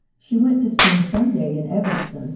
She went to spend Sunday in Evanston."